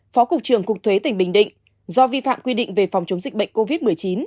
phó cục trưởng cục thuế tỉnh bình định do vi phạm quy định về phòng chống dịch bệnh covid một mươi chín